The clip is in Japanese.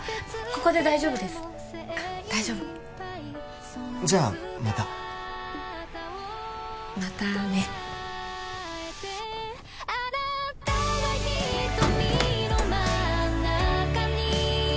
ここで大丈夫です大丈夫じゃあまたまたねあっ